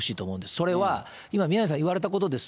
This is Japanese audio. それは今、宮根さん言われたことです。